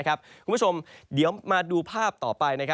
คุณผู้ชมเดี๋ยวมาดูภาพต่อไป